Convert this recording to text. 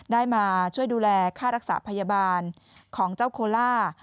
ได้มาช่วยดูแลค่ารักษาพยาบาลของเจ้าโคล่า